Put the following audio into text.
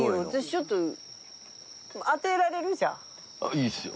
いいですよ。